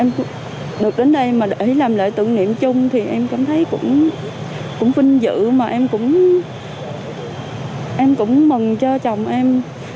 em được đến đây mà để làm lễ tưởng niệm chung thì em cảm thấy cũng vinh dự mà em cũng em cũng mừng cho chồng em